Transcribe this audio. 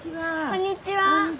こんにちは。